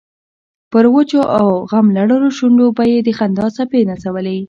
پر وچو او غم لړلو شونډو به یې د خندا څپې نڅولې.